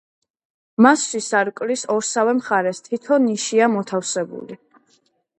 მასში სარკმლის ორსავე მხარეს თითო ნიშია მოთავსებული.